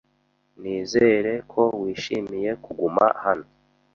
Nizere ko wishimiye kuguma hano.